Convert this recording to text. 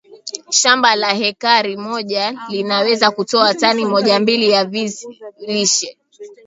shamba la hekari moja linaweza kutoa tani mojambili ya vizi lishe